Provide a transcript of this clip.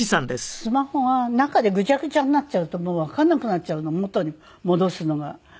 スマホが中でグチャグチャになっちゃうともうわかんなくなっちゃうの元に戻すのが。